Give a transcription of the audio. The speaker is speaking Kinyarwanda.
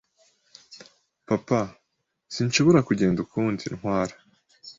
Papa, sinshobora kugenda ukundi. Ntwara.